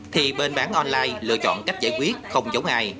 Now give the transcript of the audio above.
thì bên bán online lựa chọn cách giải quyết không giống ai